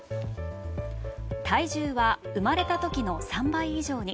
体重は生まれた時の３倍以上に。